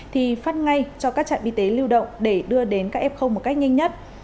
thì phát ngay cho các trạm y tế lưu động để đưa đến các f một cách nhanh nhất